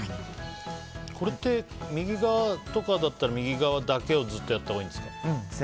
これって右側とかだったら右側だけをずっとやったほうがいいですか？